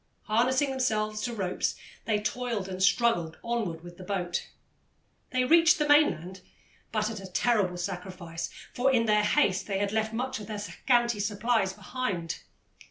Harnessing themselves to ropes, they toiled and struggled onward with the boat. They reached the mainland, but at a terrible sacrifice, for in their haste they had left much of their scanty supplies behind.